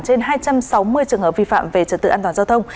trên hai trăm sáu mươi trường hợp vi phạm về trật tự an toàn giao thông